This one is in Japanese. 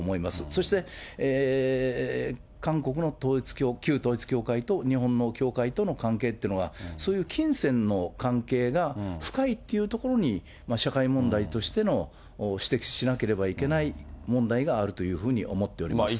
そして、韓国の旧統一教会と日本の教会との関係というのは、そういう金銭の関係が深いというところに、社会問題としての、指摘しなければいけない問題があるというふうに思っております。